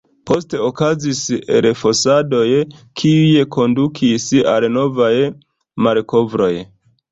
Poste okazis elfosadoj, kiuj kondukis al novaj malkovroj.